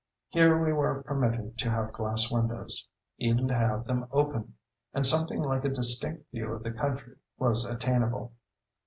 Here we were permitted to have glass windows—even to have them open—and something like a distinct view of the country was attainable....